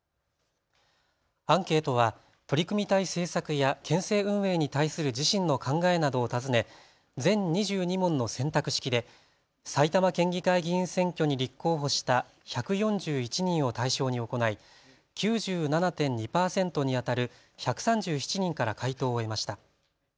アンケートは取り組みたい政策や県政運営に対する自身の考えなどを尋ね全２２問の選択式で埼玉県議会議員選挙に立候補した１４１人を対象に行い９７．２％にあたる１３７人から回答を得ました。